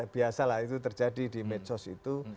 biasalah itu terjadi di medsos itu